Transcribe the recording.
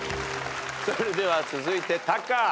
それでは続いてタカ。